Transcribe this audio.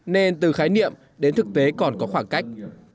nên từ khái niệm đến thực tế còn có khoảng cách